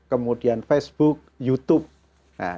kemudian facebook youtube